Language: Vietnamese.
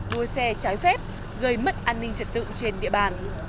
đua xe trái phép gây mất an ninh trật tự trên địa bàn